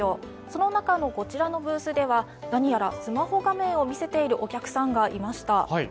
その中のこちらのブースでは何やらスマホ画面を見せているお客さんがいました。